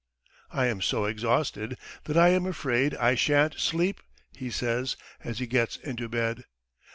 "I am so exhausted that I am afraid I shan't sleep ..." he says as he gets into bed.